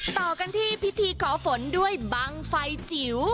ต่อกันที่พิธีขอฝนด้วยบังไฟจิ๋ว